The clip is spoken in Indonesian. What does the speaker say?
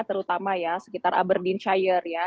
terutama ya sekitar aberdeenshire ya